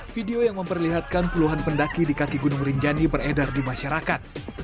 video yang memperlihatkan puluhan pendaki di kaki gunung rinjani beredar di masyarakat